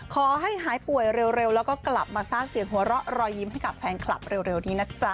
ขอให้หายป่วยเร็วแล้วก็กลับมาสร้างเสียงหัวเราะรอยยิ้มให้กับแฟนคลับเร็วนี้นะจ๊ะ